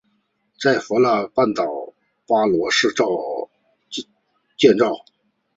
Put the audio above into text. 在弗内斯半岛的巴罗市建造。